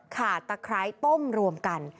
ขาดตะคร้ายต้มรวมกัน